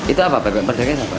itu apa bebek merdeka